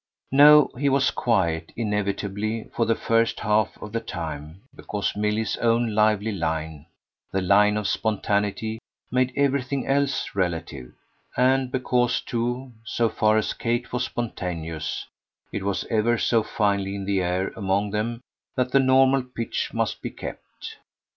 No, he was quiet, inevitably, for the first half of the time, because Milly's own lively line the line of spontaneity made everything else relative; and because too, so far as Kate was spontaneous, it was ever so finely in the air among them that the normal pitch must be kept.